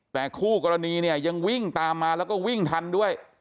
แต่คู่กรณีเนี่ยยังวิ่งตามมาแล้วก็วิ่งทันด้วย